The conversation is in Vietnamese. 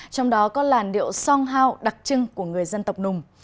trong đó có làn điệu song hao đặc trưng của người dân tộc nùng